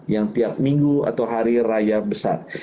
yang tiap minggu atau hari raya besar